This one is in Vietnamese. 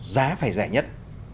giá phải rẻ nhất